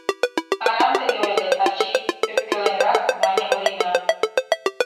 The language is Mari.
— Арам тыге ойлет, ачий, — ӧпкеленрак мане Орина.